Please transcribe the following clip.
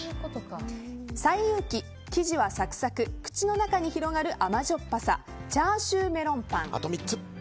西遊記、生地はサクサク口の中に広がる甘じょっぱさ叉焼メロンパン。